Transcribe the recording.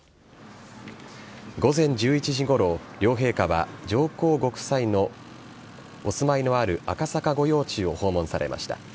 午前１１時ごろ両陛下は上皇后ご夫妻のお住まいのある赤坂御用地を訪問されました。